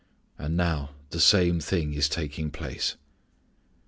And now the same thing is taking place.